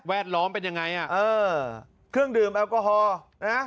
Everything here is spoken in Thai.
ล้อมเป็นยังไงอ่ะเออเครื่องดื่มแอลกอฮอล์นะ